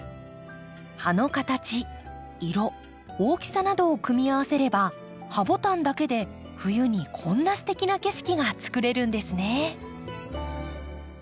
葉の形色大きさなどを組み合わせればハボタンだけで冬にこんなすてきな景色がつくれるんですね。